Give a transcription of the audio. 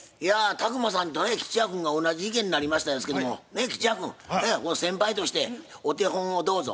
宅麻さんと吉弥君が同じ意見になりましたですけども吉弥君先輩としてお手本をどうぞ。